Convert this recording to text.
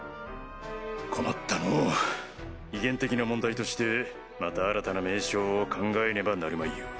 困ったのぅ威厳的な問題としてまた新たな名称を考えねばなるまいよ。